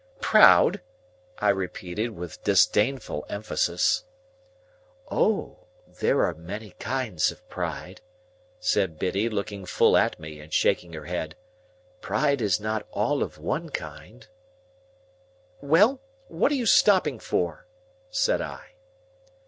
"Proud?" I repeated, with disdainful emphasis. "O! there are many kinds of pride," said Biddy, looking full at me and shaking her head; "pride is not all of one kind—" "Well? What are you stopping for?" said I.